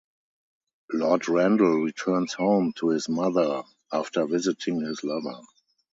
Lord Randall returns home to his mother after visiting his lover.